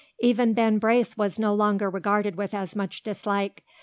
Even Ben Brace was no longer regarded with as much dislike.